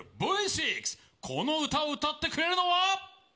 この歌を歌ってくれるのは。